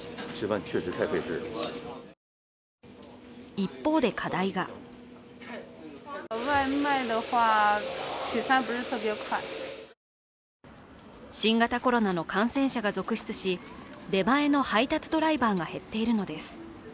一方で課題が新型コロナの感染者が続出し、出前の配達ドライバーが減っているのです。